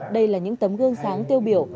đây là những tấm gương sáng tiêu biểu